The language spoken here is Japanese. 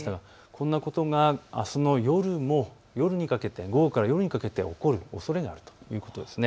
こんなことがあすの午後から夜にかけて起こるおそれがあるということです。